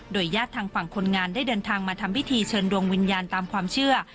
ญาติทางฝั่งคนงานได้เดินทางมาทำพิธีเชิญดวงวิญญาณตามความเชื่อ